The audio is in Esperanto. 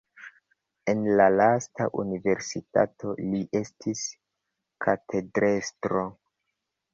En la lasta universitato li estis katedrestro.